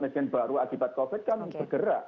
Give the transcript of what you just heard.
pasien baru akibat covid kan bergerak